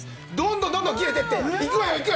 どんどん切れていっていくわよ。